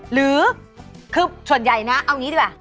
หรือคือส่วนใหญ่นะเอางี้ดีกว่า